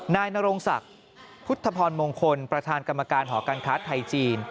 นายนรงศักดิ์พุทธพรมงคลประธานกรรมการหอการค้าไทยจีน